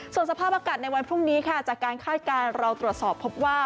ส่วนสภาพอากาศในวันพรุ่งนี้ค่ะจากการคาดการณ์เราตรวจสอบพบว่า